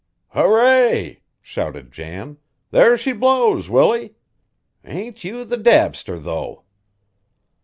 "Hurray!" shouted Jan. "There she blows, Willie! Ain't you the dabster, though!"